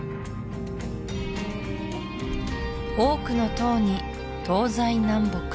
多くの塔に東西南北